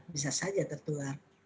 bisa saja tertular